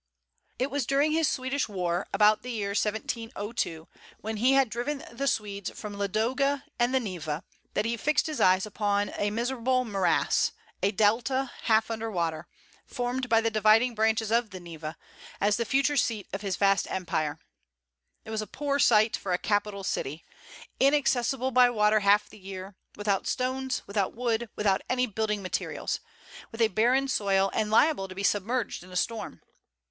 It was during his Swedish war, about the year 1702, when he had driven the Swedes from Ladoga and the Neva, that he fixed his eyes upon a miserable morass, a delta, half under water, formed by the dividing branches of the Neva, as the future seat of his vast empire. It was a poor site for a capital city, inaccessible by water half the year, without stones, without wood, without any building materials, with a barren soil, and liable to be submerged in a storm.